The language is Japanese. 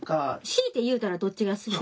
強いて言うたらどっちが好き？